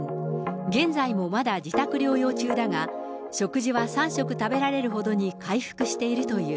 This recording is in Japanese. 現在もまだ自宅療養中だが、食事は３食食べられるほどに回復しているという。